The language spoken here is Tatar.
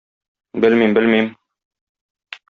Белмим, белмим...